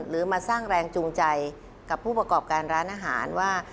หรือมาสร้างแรงจูงใจกับผู้ประกอบการร้านอาหารว่า